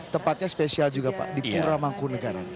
tepatnya spesial juga pak di puro mangkunagaran